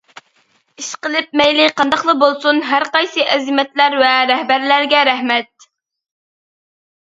ئىشقىلىپ مەيلى قانداقلا بولسۇن، ھەرقايسى ئەزىمەتلەر ۋە رەھبەرلەرگە رەھمەت!